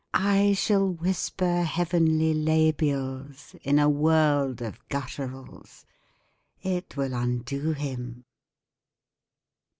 I shall whisper Heavenly labials in a world of gutturals. It will undo him.